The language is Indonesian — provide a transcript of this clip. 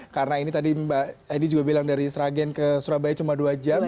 karena ini tadi mbak edi juga bilang dari sragen ke surabaya cuma dua jam